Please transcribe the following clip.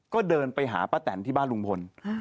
ก็เดินไปหาป้าแตนที่บ้านลุงพล